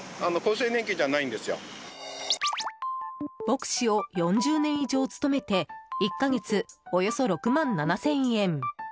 牧師を４０年以上務めて１か月およそ６万７０００円。